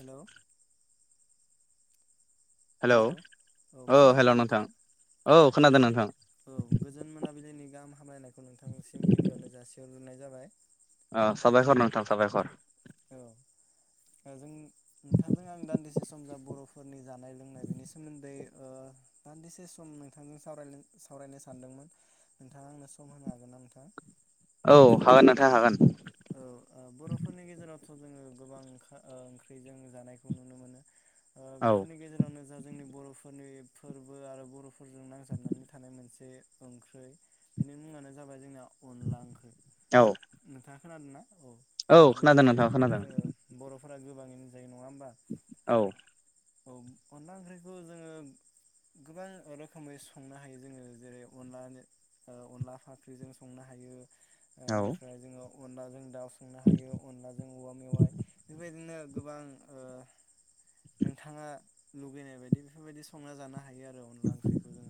Hello hello औ खोनादोंना नोंथां औ खोनादों गोजोन नोंथां औ गोजोन मोनाबिलिनि गाहाम हामलायनाय नोंथांसिम गिबियावनो जासि जुनाय जाबाय ओ सबायखर नोंथां सबायखर औ जों नोंथांजों आं दान्दिसे सम जा बर'फोरनि जानाय लोंनाय बेनि सोमोन्दै ओ दान्दिसे सम नोंथांजों सावरायनो सानदोंमोन नोंथाङा आंनो सम होनो हागोन ना नोंथां? औ हागोन नोंथां हागोन औ ओ बर'फोरनि गेजेरावथ' जोङो गोबां ओ ओंख्रि जों जानायखौ नुनो मोनो ओ औ बेफोरनि गेजेरावनो जा, जोंनि बर'फोरनि फोरबो आरो बर' फोरजों नांजाबनानै थानाय मोनसे बे ओंख्रै बेनि मुङानो जाबाय जोंनाव। अनला ओंख्रि औ नोंथां। खोनादों ना? औ अनला खोनादों नोंथां ओंख्रिखौ खोनादों जोङो बर' फोरा गोबाङैनो जायो नङा होमबा औ। औ अनला ओंख्रिखौ जोङो गोबां रोखोमै संनो हायो जोङो जेरै अनला अनला फाख्रिजों संनो हायो। औ ओनिफ्राय जोङो। अनलाजों दाउ संनो हायो अनलाजों औवा मेवाइ बेफोरबायदिनो गोबां ओ नोंथाङा लुगैनाय बायदि बेफोरबायदि संना जानो हायो आरो। आरो अनला ओंख्रिखौ जोङो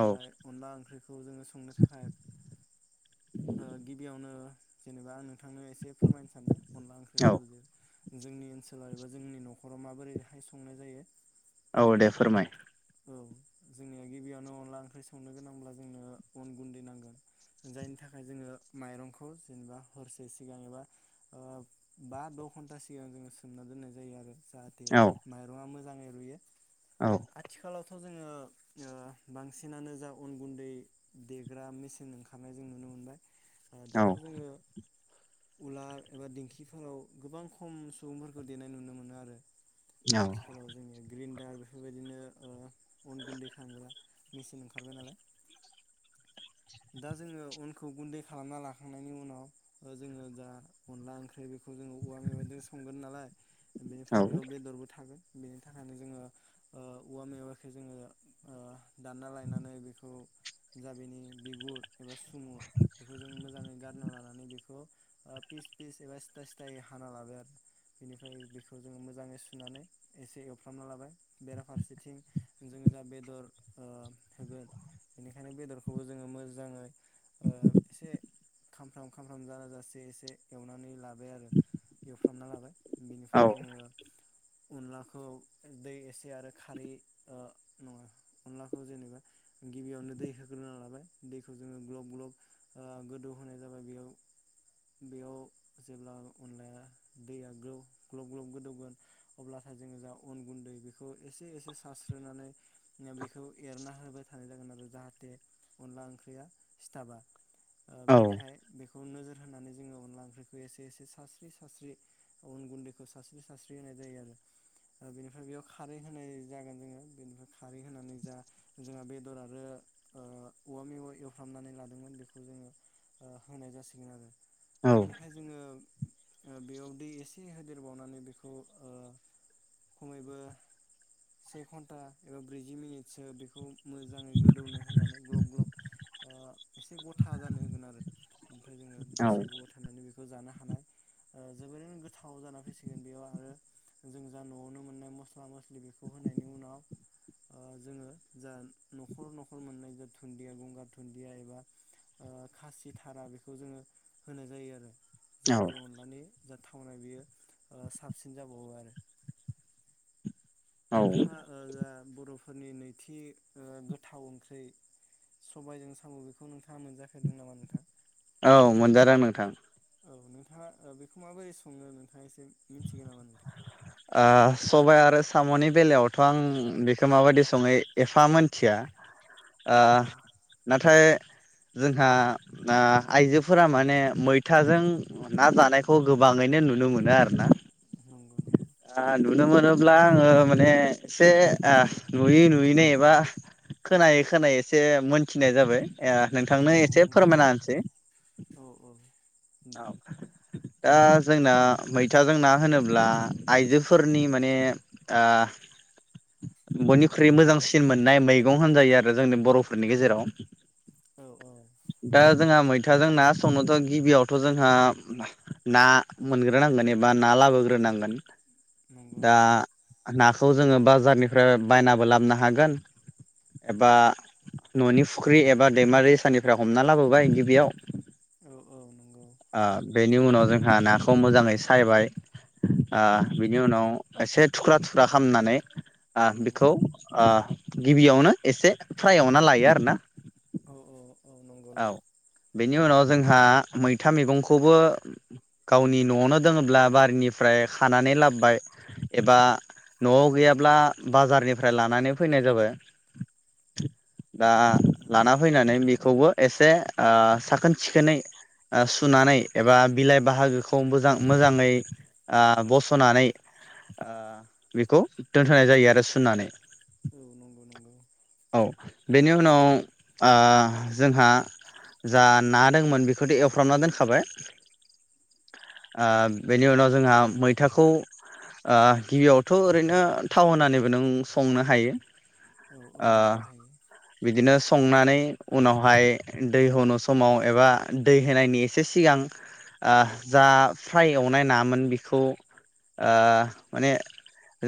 औ अनला ओंख्रिखौ जोङो संनो थाखाय ओ गिबियावनो जेनेबा आङो नोंथांनो एसे फोरमायनो सानदों अनला औ ओंख्रिखौ जोंनि ओनसोलाव एबा जोंनि नखराव माबोरैहाय संनाय जायो। औ दे फोरमाय। औ जोंनिया गिबियावनो अनला ओंख्रि संनो गोनांब्ला जोंनो अन गुन्दै नांगोन जायनि थाखाय जोङो माइरंखौ जेनेबा हरसे सिगां एबा ओ बा द' घन्टा सिगां जोङो सोमना दोननाय जायो आरो जाहाथे औ मायरङा मोजां मोजांयै रुयो। औ। आथिखालावथ' जोङो ओ बांसिनाखनो जा अन गुन्दै देग्रा मेसिन ओंखारनाय जों नुनो मोनबाय ओ औ दाथ' जोङो उलार एबा दिंखिफोराव गोबां खम सुबुंफोरखौ देनाय नुनो मोनो आरो औ आथिखालाव जोंनि ग्रिन दा बेफोरबायदिनो ओ अन गुन्दै खालामग्रा मेचिन ओंखारबाय नालाय। दा जोङो अनखौ गुन्दै खालामना लाखांनायनि उनाव जोङो दा अनला ओंख्रि बेखौ जोङो औवा मेबायाइजों संगोन नालाय औ बेनिफ्राय बेयाव बेदरबो थागोन। बेनि थाखायनो जोङो ओ औवा मेवाखौ जोङो दानना लायनानै बेखौ जा बेनि बिगुर एबा सुमु बेखौ जों मोजाङै गारना लानानै बेखौ ओ पिस फिस एबा सिथा सिथायै हाना लाबाय आरो बेनिफ्राय बेखौ जोङो मोजाङै सुनानै एसे एवफ्रामना लाबाय बेरा फारसेथिं जों जा बेदर ओ होगोन बेनिखायनो बेदरखौबो जोङो मोजाङै ओ एसे खामफ्राम खामफ्राम जालाय जाासे एसे एवनानै लाबाय आरो एवफ्रामना लाबाय औ बिनिफ्राय जोङो अनलाखौ दै एसे आरो खारै ओ नङा अनलाखौ जेनेबा गिबियावनो दै होग्रोना लाबाय दैखौ जोङो ग्लब ग्लब ओ गोदौ होनाय जाबाय बेयाव बेयाव जेब्ला अनलाया दैया ग्लब ग्लब गोदौगोन अब्लाथाय जोङो जा अन गुन्दै बेखौ एसे एसे सारस्रोनानै बेखौ एरना होबाय थानाय जागोन आरो जाहाथे अनला ओंख्रिया सिथाबा। ओ औ बेनिखाय बेखौ नोजोर होनानै जोङो अनला ओंख्रिखौ एसे एसे सारस्रि सारस्रि अन गुन्दैखौ सास्रि सास्रि होनाय जायो आरो बेनिफ्राय बेयाव खारै होनाय जागोन जोङो। बेनिफ्राय खारै होनानै जा जोंहा बेदर आरो ओ औवा मेवाइ एवफ्रामनानै लादोंमोन बेखौ जोङो होनाय जासिगोन आरो। बेनिफ्राय जोङो बेयाव दै एसे होदेरबावनानै बेखौ ओ खमैबो से घन्टा एबा ब्रैजि मिनिटसो बेखौ मोजाङै गोदौनो होनानै ग्लब ग्लब ओ एसे गथा जानो होगोन आरो ओमफ्राय जोङो दसे गोबाव थानानै जानो हानाय ओ जोबोरैनो गोथाव जाना फैसिगोन बेयाव आरो जों जा न'आवनो मोननाय मस्ला मस्लि बेखौ होनायनि उनाव ओ जोङो जा न'खर न'खर मोननाय जा दुन्दिया, गंगार दुन्दिया एबा खासि थारा बेखौ जोङो होनाय जायो आरो औ जाहाथे अनलानि जा थावनाय बेयो साबसिन जाबावो आरो। नोंथाङा ओ जा बर'फोर नि नैथि गोथाव ओंख्रि सबायजों साम' बेखौ नोंथाङा मोनजाफेरदों नामा नोंथां? औ मोनजादों नोंथां। औ नोंथाङा बेखौ माबोरै सङो एसे मिन्थिगोन नामा नोंथां। ओ सबाय आरो साम'नि बेलायावथ' आं बेखौ माबायदि सङो एफा मोनथिया। औ ओ औ नाथाय जोंहा ओ आइजोफोरा माने मैथाजों ना जानायखौ गोबाङैनो नुनो मोनो आरो। ना। आ नुनो मोनोब्ला आङो माने एसे आ नुयै नुयैनो एबा खोनायै खोनायै एसे मोनथिनाय जाबाय। ए नंगौ नोंथांनो नंगौ एसे नोंथाङा फोरमायना होनोसै। औ औ औ। दे दा जोंना मैथाजोंना होनोब्ला आइजोफोरनि माने आ बयनिख्रुइ मोजांसिन मोननाय मैगं होनजायो आरो जोंनि बर'फोरनि गेजेराव। औ औ। दा जोंहा मैथाजों ना संनोथ' गिबियाव थ' जोंहा ना मोनग्रोनांगोन एबा ना लाबोग्रोनांगोन। नंगौ दा नंगौ ना खौ जोङो बाजारनिफ्राय बायनाबो लाबोनो हागोन एबा न'नि फुख्रि एबा दैमा दैसानिफ्राय हमना लाबोबाय गिबियाव औ। नंगौ आ बेनि उनाव जोंहा नाखौ मोजाङै सायबाय ओ बिनि उनाव एसे थुख्रा थुख्रा खालामामनानै आ नंगौ बेखौ ओ गिबियावनो एसे फ्राय एवना लायो आरोना। औ औ। नंगौ औ नंगौ बेनि उनाव जोंहा मैथा मैंगंखौबो गावनि न'आवनो दोङोब्ला बारिनिफ्राय खानानै लाबोबाय एबा न'आव गैयाब्ला बाजारनिफ्राय लानानै फैनाय जाबाय। दा नंगौ लाना फैनानै बेखौबो एसे आ साखोन सिखोनै आ सुनानै एबा बिलाइ बाहागोखौ मोजां आ मोजाङै बस'नानै आ बेखौ दोनथ'नाय जायो आरो सुनानै। औ नंगौ नंगौ। औ बेनि उनाव आ जोंहा जा ना दोंमोन बेखौथ एवफ्रामना दोनखाबाय ओ बेनि उनाव जोंहा मैथाखौ ओ गिबियावथ' ओरैनो थाव होनानैबो नों संनो हायो। औ औ ओ नंगौ हायो बिदिनो संनानै उनावहाय दै होनो समाव एबा दै होनायनि एसे सिगां ओ जा फ्राय एवनाय नामोन बेखौ ओ माने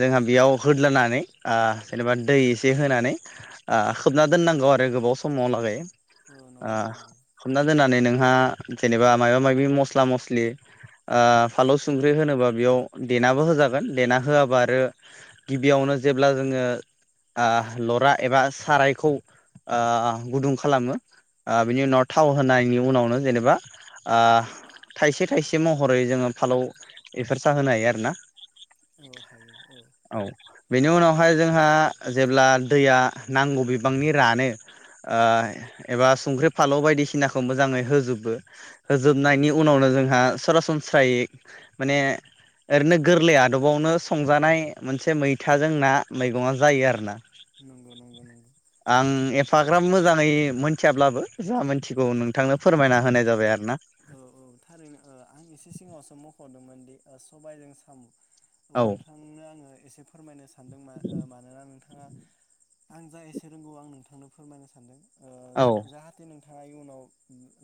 जोंहा बेयाव होद्लानै ओ जेनेबा दै एसे होनानै ओ खोबना दोननांगौ आरो गोबाव समाव लागै। औ ओ नंगौ नंगौ हमना दोननानै नों थाङा जेनेबा मायबा माइबि मसला मसलि ओ फानलु संख्रि होनोबा बेयाव देनाबो होजागोन देना होआबा आरो गिबियावनो जेब्ला जोंङो ओ लरा एबा साराइखौ ओ गुदुं खालामो ओ बिनि उनाव थाव होनायनि उनावनो जेनेबा ओ थायसे थायसे महरै जोङो फालौ बेफोर सा होनो हायो आरोना। औ हायो औ। बेनि उनावहाय जोंहा जेब्ला दैया नांगौ बिबांनि रानो ओ एबा संख्रि फालौ बायदिसिनाखौ मोजाङै होजोबो होजोबनायनि उनावनो जोंहा सरासनस्रायै माने ओरैनो गोरलै आदबावनो संजानाय मोनसे मैथाजों ना मैगङा जायो आरो ना। नंगौ नंगौ नंगौ। आं एफाग्राब मोजाङै मोनथियाब्लाबो जा मोनथिगौ नोंथांनो फोरमायना नंगौ होनाय जाबाय आरो ना। औ औ थारैनो ओ आं इसे सिगाङावसो मखदोंमोन दि सबायजों सामु औ नोंथांनो आङो एसे फोरमायनो सानदों मा मानोना नोंथाङा आं जा एसे रोंगौ आं नोंथांनो फोरमायनो सानदों। ओ औ जाहाथे नों थाङा उनाव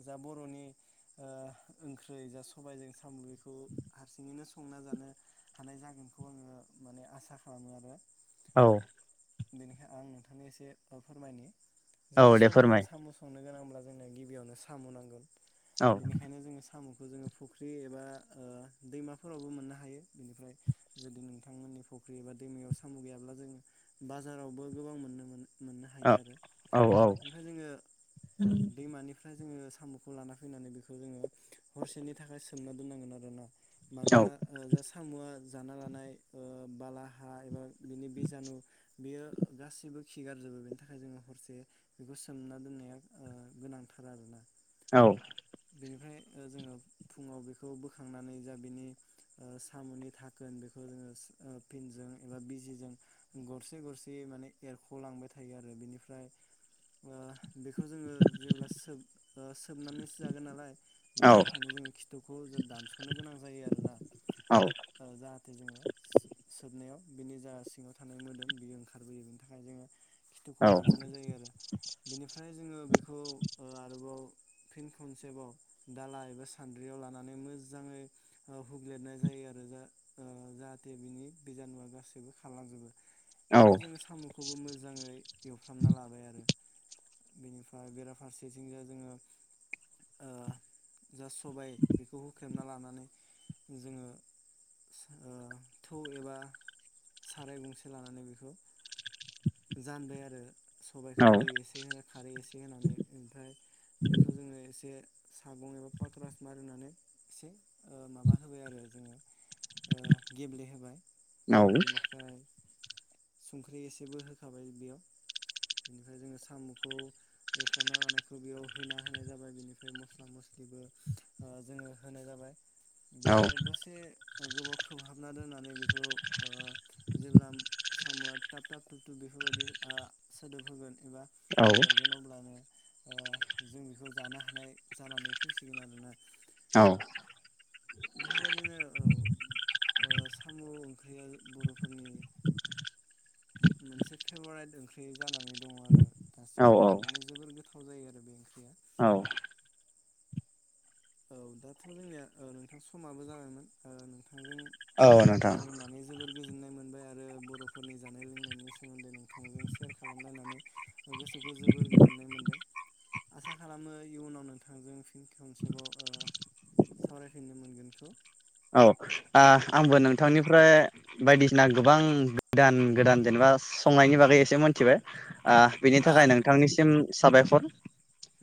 जा बर'नि ओ ओंख्रि स सबायाइजों साम बेखौ हारसिङैनो संना जानो हानाय जागोनखौ आङो माने आसा खालामो आरो। औ बेनिखाय आं नोंथांनि एसे फोरमायनि। जोंनिया औ दे सबायाइजों फोरमाय साम संनो गोनां ब्ला जोंङनो गिबियावनो सामु नांगोन। औ बेनिखायनो जोङो सामु खौ जोङो फुख्रि एबा ओ दैमाफोरावबो मोननो हायो बिनिफ्राय जुदि नोंथांमोननि फुख्रि एबा दैमायाव साम गैयाब्ला जोङो बाजारावबो गोबां मोननो मोनो। मोननो हायो औ आरो औ औ मफ्राय जोङो औ दैमानिफ्राय जोंङो सामु खौ लाना फैनानै बिखो जोङो हरसेनि नि थाखाय सोमना दोननांगोन आरो ना। औ मानोना ओ जा सामुआ जाना लानाय ओ बाला हा एबा बिनि बिजानु बेयो गासैबो खिगारजोबो बेनि थाखाय जोङो हरसे बेखौ सोमना दोननाया ओ गोनांथार आरोना। औ बेनिफ्राय ओ जोङो फुङाव बेखौ बोखांनानै जा बिनि ओ सामुनि थाखोन बेखौ जोङो फिनजों एबा बिजिजों गरसे गरसे माने एरखलांबाय थायो आरो बेनिफ्राय ओ बेखौ जोङो जेब्ला सोब सोबनानै नालाय औ बेनि थाखायनो जोङो खिथुखौ जों दानसनो गोनां जायो आरोना ओ जाहाथे जोङो स याव बिनि जा सिङाव थानाय मोदोम बेयो ओंखारबोयो बेनि थाखाय जोङो खिथुखौ दानस'नाय जायो आरो बेनिफ्राय जोङो बेखौ ओ आरोबाव फिन खनसेबाव दाला एबा सान्द्रियाव लानानै मोजाङै ओ हुग्लेनाय जायो आरो जा ओ जाहाथे बिनि बिजानुआ गासैबो खालांजोबो। औ ओमफ्राय जोङो साम'खौबो मोजाङै एवफ्रामना लाबाय आरो। बेनिफ्राय बेराफारसेथिंजाय जोङो ओ जा सबाय बेखौ होख्रेमना लानानै जोङो सा थौ एबा साराय गंसे लानानै बेखौ जानबाय आरो। औ सबायखौ दै एसे होनो खारै एसे होनानै ओमफ्राय बेखौ जोङो एसे सागं एबा पक्रास मारिनानै एसे ओ माबा होबाय आरो जोङो ओ गेब्लेहोबाय बेनिफ्राय संख्रि एसेबो हो खाबाय बेयाव बिनिफ्राय जोंङो साम'खौ एवफ्रामना लानायखौ बेयाव होना होनाय जाबाय बेनिफ्राय मस्ला-मस्लिबो ओ जोंङो होनाय जाबाय। बेनिफ्राय दसे ओ गोबाव खोबहाबना दोननानै बेखौ ओ जेब्ला साम'आ थाब-थाब थुब थुब बेफोरबायदि आ सोदोब होगोन एबा बेरगोन अब्लानो ओ जों बेखौ जानो हानाय जानानै फैसिगोन आरोना। औ बेफोरबायदिनो औ ओ साम' ओंख्रिया बर'फोरनि मोनसे फेभरेट ओंख्रि जानानै दङ आरो औ दासिमहालागै माने जोबोर गो थाव जायो आरो बे ओंख्रिया। औ औ दाथ' जोंनिया ओ नोंथां समाबो जागायमोन ओ नों औ नोंथां गोजोननाय मोनबाय आरो बर'फोरनि जानाय लोंनायनि सोमोन्दै नोंथांजों सेयार खालामलायनानै गोसोखौ जोबोर गोजोननाय मोन्दों आसा खालामो इयुनाव नोंथांजों फिन खेबसेबाव ओ सावरायफिननो मोनगोनखौ। औ आ दे आंबो नोंथां नोंथांनिफ्राय बायदिसिना गोबां गोदान-गोदान जेनेबा संनायनि बागै एसे मोनथिबाय ओ बिनि औ औ थाखाय नोंथांनिसिम साबायखर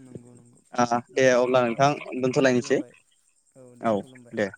नंगौ नंगौ ओ दे होमबा अब्ला ना नोंथां दोनथ'लायनोसै खुलुमबाय दे औ खुलुमबाय दे।